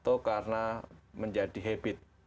atau karena menjadi habit